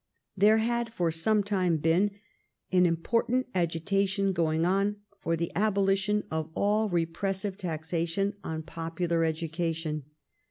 There had for some time been an important agi tation going on for the abolition of all repressive taxation on popular education.